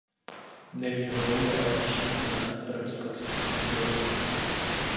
Nevýhodou je ale vyšší cena proti klasickým zdrojům.